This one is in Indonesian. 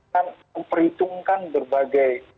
kan memperhitungkan berbagai